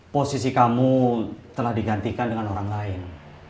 posisi kamu telah digantikan dengan orang lain